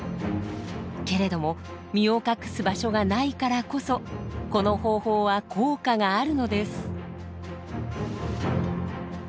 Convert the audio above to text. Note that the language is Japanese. けれども身を隠す場所がないからこそこの方法は効果があるのです。